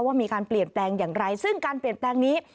ว่ามีการเปลี่ยนแปลงอย่างไรซึ่งการเปลี่ยนแปลงนี้